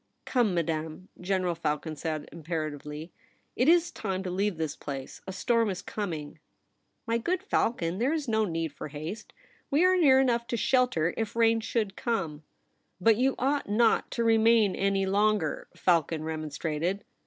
' Come, Madame,' General Falcon said im peratively ;' it is time to leave this place ; a storm is coming.' 94 THE REBEL ROSE. * My good Falcon, there is no need for haste ; we are near enough to shelter if rain should come.' ' But you ought not to remain any longer,' Falcon remonstrated.